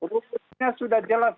rukunnya sudah jelas